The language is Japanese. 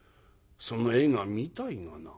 その絵が見たいがな」。